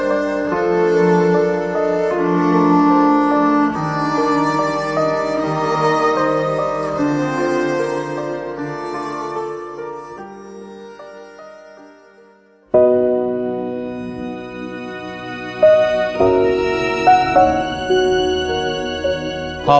มาไปอาจไม่เชื่อ